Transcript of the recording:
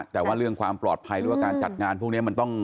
แต่ว่าเรื่องความปลอดภัยหรือว่าการจัดงานพวกนี้มันต้อง